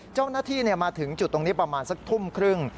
เจ้าหน้าที่มาถึงจุดตรงนี้ประมาณสักทุ่มครึ่ง